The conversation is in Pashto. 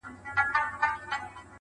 او څلور ورځي له فرض لمانځه وروسته